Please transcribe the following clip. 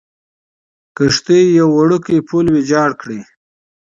کښته یې یو وړوکی پل ویجاړ کړی.